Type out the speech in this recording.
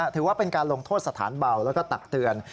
ถือว่าเป็นการลงโทษสถานเบาแล้วก็ตักเตือน